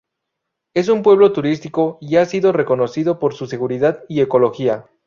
Es un pueblo turístico y ha sido reconocido por su seguridad y ecología.